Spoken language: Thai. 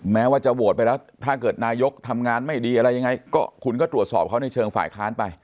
แม้ว่าจะโหวตไปแล้วถ้าเกิดนายกทำงานไม่ดีอะไรยังไงก็คุณก็ตรวจสอบเขาในเชิงฝ่ายค้านไป